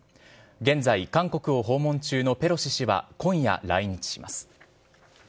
現在韓国を訪問中のペロシ氏は今夜来日します。